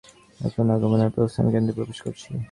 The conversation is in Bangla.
এখন আগমন আর প্রস্থান কেন্দ্রে প্রবেশ করছি।